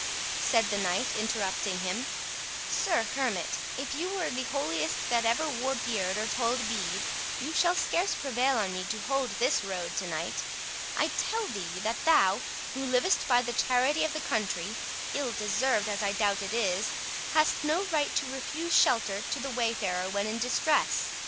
said the knight interrupting him,—"Sir Hermit, if you were the holiest that ever wore beard or told bead, you shall scarce prevail on me to hold this road to night. I tell thee, that thou, who livest by the charity of the country—ill deserved, as I doubt it is—hast no right to refuse shelter to the wayfarer when in distress.